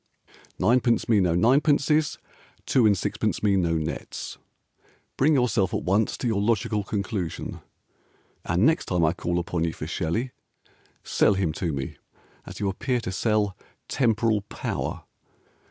Ninepence me no ninepences, Two and sixpence me no nets, Bring yourself at once To your logical conclusion, And next time I call upon you For Shelley, Sell him to me, As you appear to sell "Temporal Power."